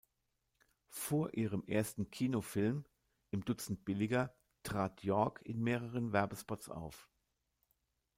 Vor ihrem ersten Kinofilm "Im Dutzend billiger" trat York in mehreren Werbespots auf.